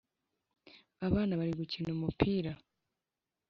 Abana bari gukina umupira